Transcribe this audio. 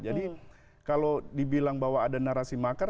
jadi kalau dibilang bahwa ada narasi makar